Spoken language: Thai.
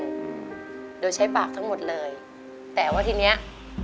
หรือใช้ปากทั้งหมดเลย